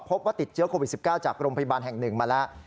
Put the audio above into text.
พบว่าติดเชื้อโควิด๑๙จากโรงพยาบาลแห่งหนึ่งมาแล้ว